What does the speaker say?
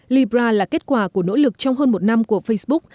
libra là kết quả của nỗ lực trong hơn một năm của facebook